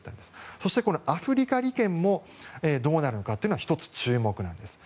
そして、アフリカ利権もどうなるのかというのも１つ注目なんです。